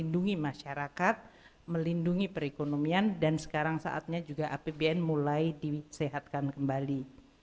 dan sekarang saatnya juga apbn mulai disehatkan kembali